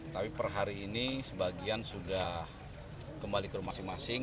tapi per hari ini sebagian sudah kembali ke rumah masing masing